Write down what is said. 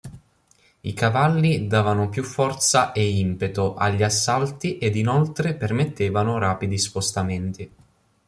I cavalli davano più forza e impeto agli assalti ed inoltre permettevano rapidi spostamenti.